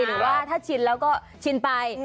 หรือว่าถ้าชินแล้วก็ชินไป